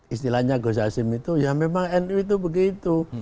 istilahnya gus hasim itu ya memang nu itu begitu